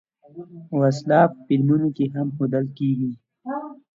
وسله په فلمونو کې هم ښودل کېږي